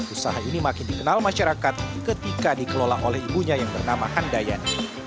usaha ini makin dikenal masyarakat ketika dikelola oleh ibunya yang bernama handayan